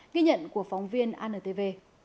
ghi nhận của phóng viên antv